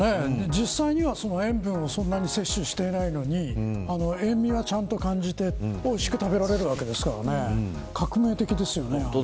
実際に塩分をそんなに摂取していないのに塩味はちゃんと感じられておいしく食べられるわけですから革命的ですよね。